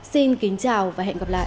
xin kính chào và hẹn gặp lại